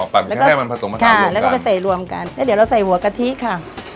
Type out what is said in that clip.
ปั่นแค่มันผสมผสามรวมกันค่ะแล้วก็ไปใส่รวมกันแล้วเดี๋ยวเราใส่หัวกะทิค่ะ